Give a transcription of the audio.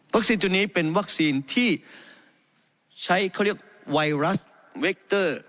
ตัวนี้เป็นวัคซีนที่ใช้เขาเรียกไวรัสเวคเตอร์